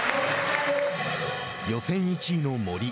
予選１位の森。